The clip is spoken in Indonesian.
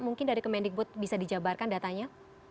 mungkin dari kemendikbud bisa dijabarkan datanya